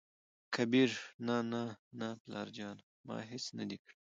کبير : نه نه نه پلاره جانه ! ما هېڅ نه دى کړي.